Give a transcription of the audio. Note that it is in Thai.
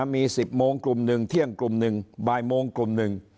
มี๑๐โมงกลุ่มหนึ่งเที่ยงกลุ่มหนึ่งบ่ายโมงกลุ่มหนึ่ง